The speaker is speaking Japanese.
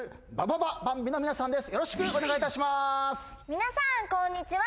皆さんこんにちは。